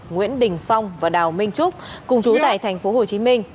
nguyễn đình phong và đào minh trúc cùng chú tại tp hcm